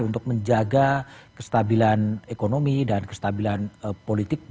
untuk menjaga kestabilan ekonomi dan kestabilan politik